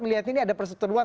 melihat ini ada perseteruan